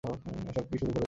এসব কী শুরু করেছ?